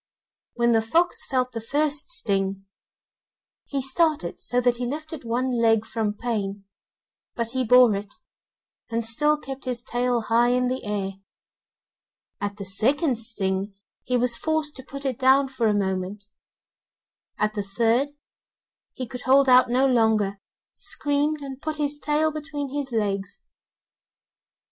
When the fox felt the first string, he started so that he lifted one leg, from pain, but he bore it, and still kept his tail high in the air; at the second sting, he was forced to put it down for a moment; at the third, he could hold out no longer, screamed, and put his tail between his legs.